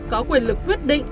có quyền lực quyết định